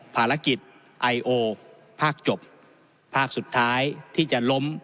ภารกิจไอโอภาคจบภาคสุดท้ายที่จะล้ม